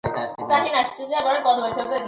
চাবি নিয়ে এলি কেন?